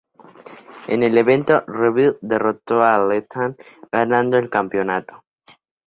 En el evento, Robbie derrotó a Lethal, ganando el campeonato.